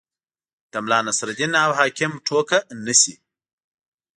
د ملا نصرالدین او حاکم ټوکه نه شي.